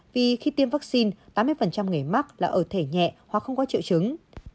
vì khi tiêm vaccine tám mươi người mắc là ở thể nhẹ hoặc không có triệu chứng